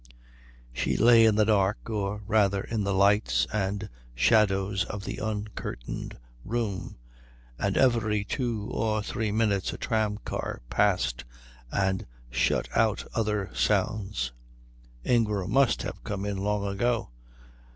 She lay in the dark, or rather in the lights and shadows of the uncurtained room, and every two or three minutes a tramcar passed and shut out other sounds. Ingram must have come in long ago.